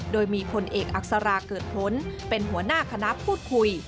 โดยมีพลเอกอักษราเกิดผลเป็นหัวหน้าคณะพูดคุย